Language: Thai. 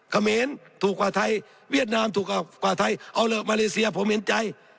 เขมรถูกกว่าไทยเวียดนามถูกกว่าไทยเอาเหลอะมาเลเซียผมเห็นใจ